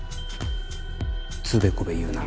つべこべ言うな。